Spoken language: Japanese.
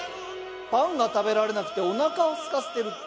パンが食べられなくておなかをすかせてるって？